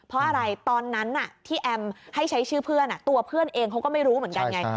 เพราะอะไรตอนนั้นที่แอมให้ใช้ชื่อเพื่อนตัวเพื่อนเองเขาก็ไม่รู้เหมือนกันไง